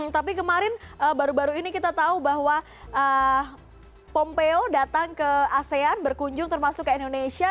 tapi kemarin baru baru ini kita tahu bahwa pompeo datang ke asean berkunjung termasuk ke indonesia